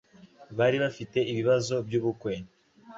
Bari bafite ibibazo byubukwe.